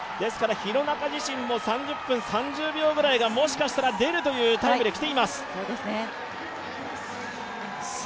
廣中自身も３０分３０秒ぐらいが出るかもしれないタイムできています。